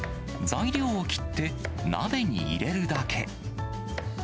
材料を切って、鍋に入れるだけ。